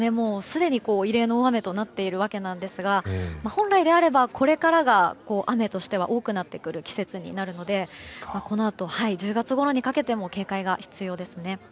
すでに異例の大雨となっているわけですが本来であれば、これからが雨としては多くなってくる季節になるのでこのあと、１０月ごろにかけても警戒が必要ですね。